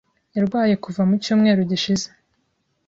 Yarwaye kuva mu cyumweru gishize.